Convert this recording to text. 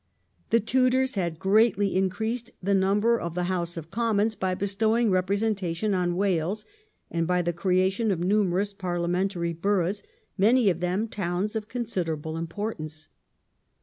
The Tudors had greatly increased the numbers of the House of Commons by bestowing representation on Wales, and by the creation of numerous parliamentary boroughs, many of them towns of considerable importance.